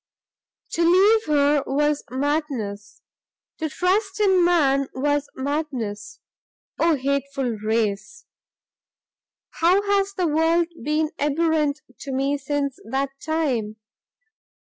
"To leave her was madness, to trust in man was madness, Oh hateful race! how has the world been abhorrent to me since that time!